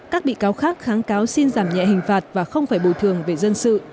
các bị cáo khác kháng cáo xin giảm nhẹ hình phạt và không phải bồi thường về dân sự